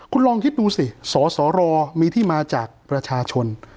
คุณลองคิดดูสิสสรมีที่มาจากประชาชน